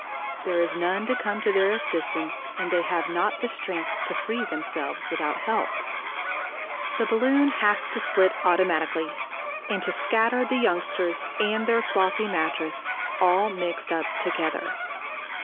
There is none to come to their assistance; and they have not the strength to free themselves without help. The balloon has to split automatically and to scatter the youngsters and their flossy mattress all mixed up together.